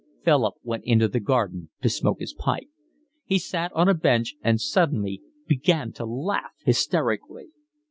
Philip went into the garden to smoke his pipe. He sat on a bench, and suddenly began to laugh hysterically.